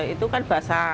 itu kan basah